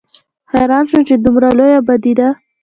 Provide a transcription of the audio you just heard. حېران شوم چې دومره لويه ابادي ده